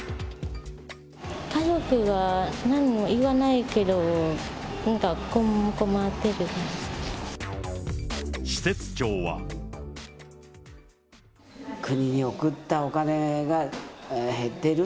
家族はなんにも言わないけど、なんか困ってる。